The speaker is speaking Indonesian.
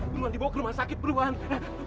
burung dibawa ke rumah sakit burung